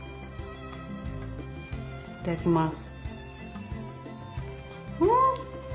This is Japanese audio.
いただきます！